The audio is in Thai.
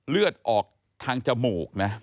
เลือดออกทางจมูกนะ